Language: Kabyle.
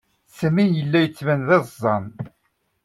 Sami yella yettban d iẓẓan.